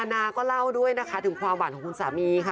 นาก็เล่าด้วยนะคะถึงความหวานของคุณสามีค่ะ